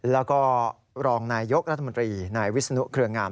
แล้วก็รองนายยกรัฐมนตรีนายวิศนุเครืองาม